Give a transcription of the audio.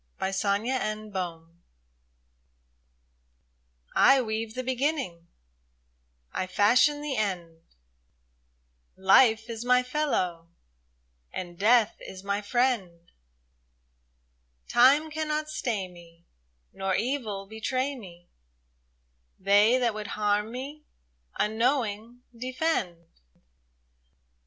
99 t.of NATURE T WEAVE the beginning, I fashion the end ; Life is my fellow, and Death is my friend ; Time cannot stay me, Nor evil betray me, — They that would harm me, unknowing, defend.